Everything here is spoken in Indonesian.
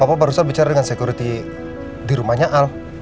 pak papa barusan bicara dengan security di rumahnya al